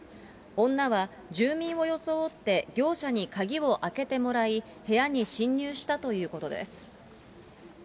女は住民を装って、業者に鍵を開けてもらい、部屋に侵入したということです。